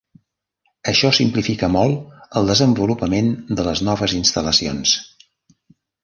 Això simplifica molt el desenvolupament de les noves instal·lacions.